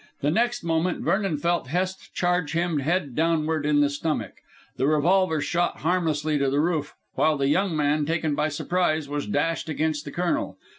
The next moment Vernon felt Hest charge him head downward in the stomach. The revolver shot harmlessly to the roof, while the young man, taken by surprise, was dashed against the Colonel.